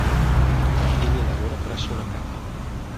Egli lavora presso una cava.